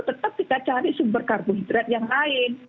tetap kita cari sumber karbohidrat yang lain